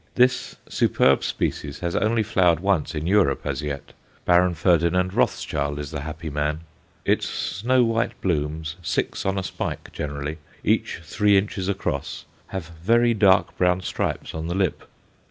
This superb species has only flowered once in Europe as yet; Baron Ferdinand Rothschild is the happy man. Its snow white blooms, six on a spike generally, each three inches across, have very dark brown stripes on the lip.